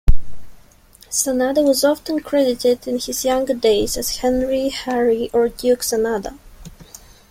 Sanada was often credited in his younger days as Henry, Harry, or Duke Sanada.